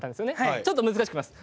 ちょっと難しくします。